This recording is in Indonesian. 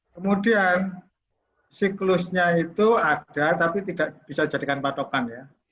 kemudian siklusnya itu ada tapi tidak bisa dijadikan patokan ya